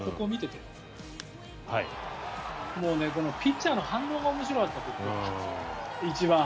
ピッチャーの反応が面白かった、僕は一番。